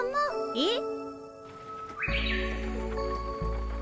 えっ？